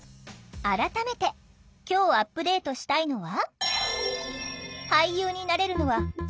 改めて今日アップデートしたいのは？